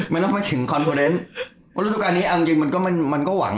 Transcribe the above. ไม่ต้องไปถึงคอนโฟเดนต์วันทุกวันนี้อ่ะจริงจริงมันก็มันก็หวัง